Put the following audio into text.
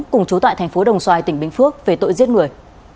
chủ tại thành phố đồng xoài tỉnh bình phước về tội giết người